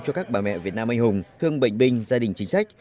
cho các bà mẹ việt nam anh hùng thương bệnh binh gia đình chính sách